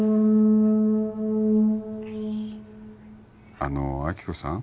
あの亜希子さん